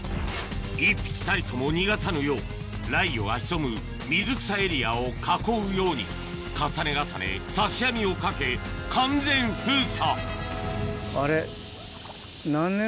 １匹たりとも逃がさぬようライギョが潜む水草エリアを囲うように重ね重ね刺し網をかけ完全封鎖あれ？